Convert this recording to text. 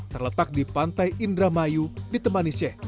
terletak di pantai indramayu di temanisye